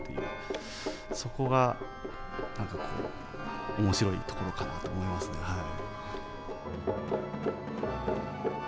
そこが何かこう面白いところかなと思いますねはい。